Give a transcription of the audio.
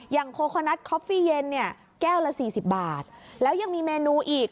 อย่างโคโคนัทคอฟฟี่เย็นเนี้ยแก้วละสี่สิบบาทแล้วยังมีเมนูอีก